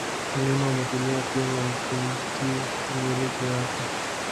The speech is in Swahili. Mlima umetulia kimya ukimtii mmiliki wake